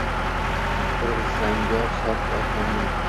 Ko’rib zangor sof osmonning —